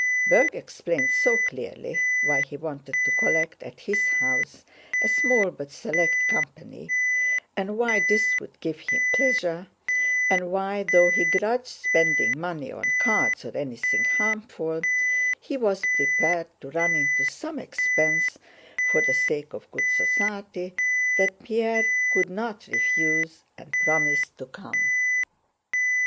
Berg explained so clearly why he wanted to collect at his house a small but select company, and why this would give him pleasure, and why though he grudged spending money on cards or anything harmful, he was prepared to run into some expense for the sake of good society—that Pierre could not refuse, and promised to come.